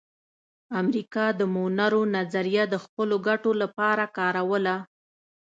امریکا د مونرو نظریه د خپلو ګټو لپاره کاروله